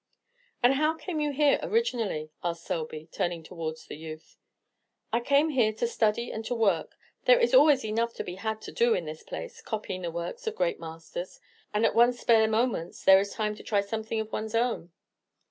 "And how came you here originally?" asked Selby, turning towards the youth. "I came here to study and to work. There is always enough to be had to do in this place, copying the works of great masters; and at one's spare moments there is time to try something of one's own."